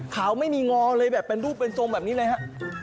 ไม่มีงอเลยแบบเป็นรูปเป็นทรงแบบนี้เลยฮะ